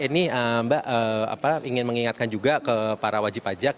ini mbak ingin mengingatkan juga ke para wajib pajak